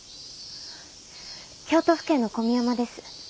京都府警の古宮山です。